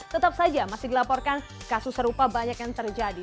tetap saja masih dilaporkan kasus serupa banyak yang terjadi